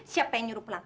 siapa yang nyuruh pulang